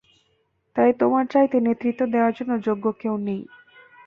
তাই, তোমার চাইতে নেতৃত্ব দেওয়ার জন্য যোগ্য কেউ নেই।